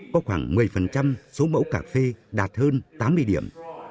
có khoảng một mươi số mẫu cà phê đạt hơn tám mươi điểm